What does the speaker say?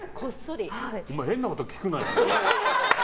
お前、変なこと聞くなよ。